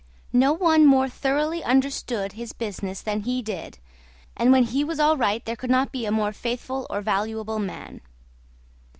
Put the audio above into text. No one more thoroughly understood his business than he did, and when he was all right there could not be a more faithful or valuable man.